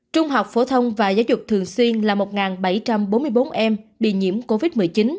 trung học phổ thông và giáo dục thường xuyên là một bảy trăm bốn mươi bốn em bị nhiễm covid một mươi chín